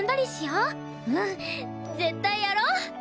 うん絶対やろう！